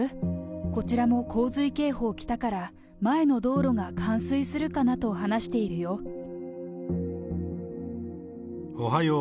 こちらも洪水警報来たから、前の道路が冠水するかなと話しているおはよう。